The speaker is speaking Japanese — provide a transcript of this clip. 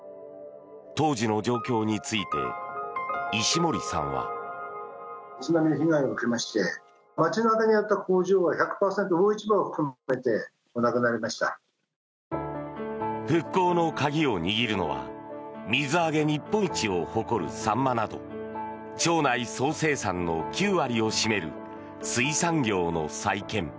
当時の状況について石森さんは。復興の鍵を握るのは水揚げ日本一を誇るサンマなど町内総生産の９割を占める水産業の再建。